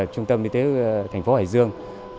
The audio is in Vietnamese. trung tâm y tế thành phố hải dương